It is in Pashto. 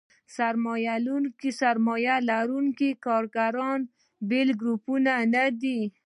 سرمایه لرونکي کارګران بېل ګروپونه نه دي.